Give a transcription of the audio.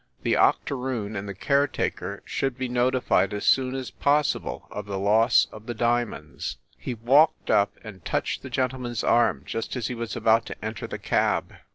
The octoroon and the care taker should be notified as soon as possible of the loss of the diamonds. He walked up and touched the gentleman s arm just as he was about to enter the cab.